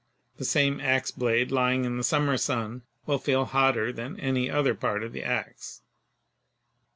The same ax blade lying in the summer sun will feel hotter than any other part of the ax.